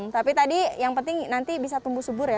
tapi tadi yang penting nanti bisa tumbuh subur ya